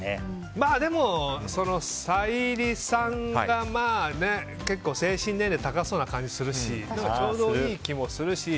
でも、沙莉さんが精神年齢高そうな感じするしちょうどいい気もするし。